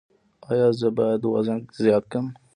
ایا زه باید وزن زیات کړم؟